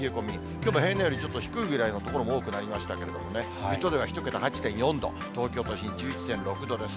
きょうも平年よりちょっと低いぐらいの所も多くなりましたけれどもね、水戸では１桁、８．４度、東京都心１１．６度です。